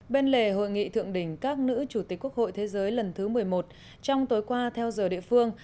bên lề hội nghị thượng đỉnh các nữ chủ tịch quốc hội thế giới lần thứ một mươi một trong tối qua theo giờ địa phương